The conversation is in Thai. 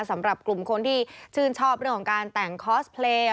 สำหรับกลุ่มคนที่ชื่นชอบเรื่องของการแต่งคอสเพลย์